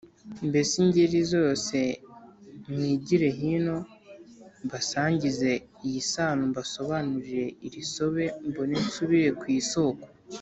mbese ingeri zose mwigire hino mbasangize iyi sano mbasobanurire iri sobe mbone nsubire Ku isoko